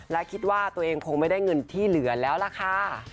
และคิดว่าตัวเองคงไม่ได้เงินที่เหลือแล้วล่ะค่ะ